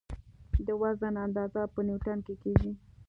د وزن اندازه په نیوټن کې کېږي.